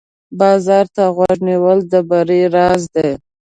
بازار ته غوږ نیول د بری راز دی.